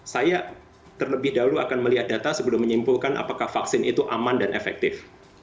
saya terlebih dahulu akan melihat data sebelum menyimpulkan apakah vaksin itu aman dan efektif